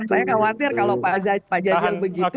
saya khawatir kalau pak jazil begitu